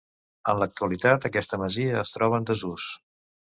En l'actualitat aquesta masia es troba en desús.